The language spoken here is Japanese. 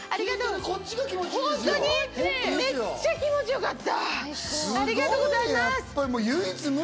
いいめっちゃ気持ちよかった！